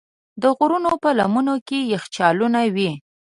د غرونو په لمنو کې یخچالونه وي.